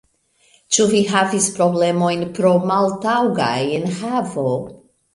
Ĉu vi havis problemojn pro maltaŭga enhavo?